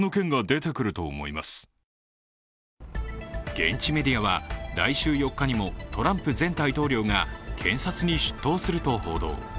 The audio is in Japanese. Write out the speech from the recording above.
現地メディアは来週４日にもトランプ前大統領が検察に出頭すると報道。